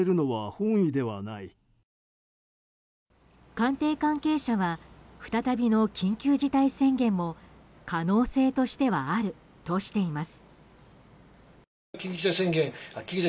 官邸関係者は再びの緊急事態宣言も可能性としてはあるとしています。